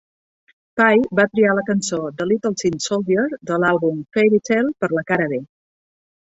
Pye va triar la cançó "The Little Tin Soldier" de l'àlbum "Fairytale" per a la cara B.